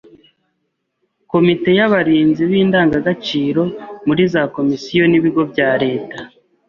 Komite y’abarinzi b’indangagaciro muri za komisiyo n’ibigo bya leta